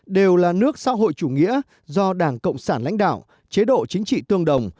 đều là nước xã hội chủ nghĩa do đảng cộng sản lãnh đạo chế độ chính trị tương đồng